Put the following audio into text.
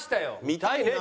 見たいな！